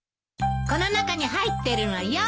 この中に入ってるのよ。